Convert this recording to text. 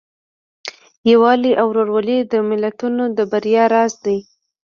یووالی او ورورولي د ملتونو د بریا راز دی.